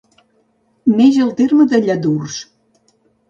Neix al terme de Lladurs.